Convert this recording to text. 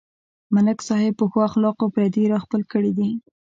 ملک صاحب په ښو اخلاقو پردي راخپل کړي دي.